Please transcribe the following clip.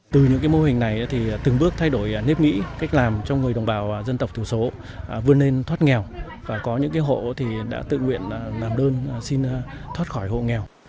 từ những mô hình này từng bước thay đổi nếp nghĩ cách làm cho người đồng bào dân tộc thiểu số vươn lên thoát nghèo và có những hộ đã tự nguyện làm đơn xin thoát khỏi hộ nghèo